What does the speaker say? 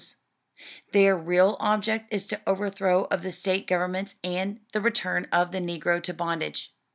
[E] Their real object is the overthrow of the State governments and the return of the negro to bondage.